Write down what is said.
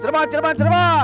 cerbat cerbat cerbat